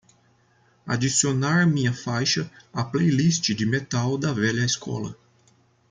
Adicionar minha faixa à playlist de metal da velha escola